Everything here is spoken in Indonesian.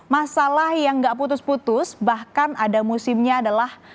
masalah yang nggak putus putus bahkan ada musimnya adalah